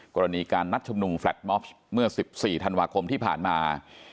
กรณีการนัดชุมนุมแลตมอชเมื่อ๑๔ธันวาคมที่ผ่านมา